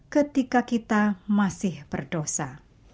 ketika kita masih berdosa